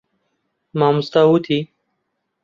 مامۆستا وتی.